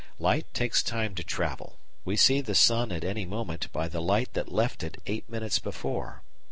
Light takes time to travel. We see the sun at any moment by the light that left it 8 minutes before.